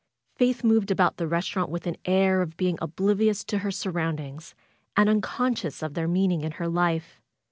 Faith FAITH moved about the restaurant with an air of being obliv ious to her surroundings and unconscious of their meaning in her life.